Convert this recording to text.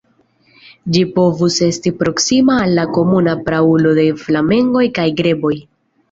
Ĝi povus esti proksima al la komuna praulo de flamengoj kaj greboj.